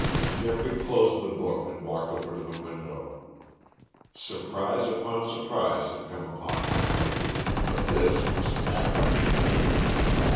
Geoffrey closed the book and walked over to the window. Surprise upon surprise had come upon him lately, but this was staggering.